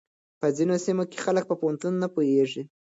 په ځينو سيمو کې خلک په پوهنتون نه پوهېږي.